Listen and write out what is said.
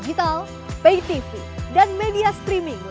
bapak bapak jokowi dari banyuwangi